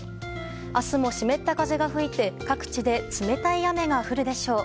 明日も湿った風が吹いて各地で冷たい雨が降るでしょう。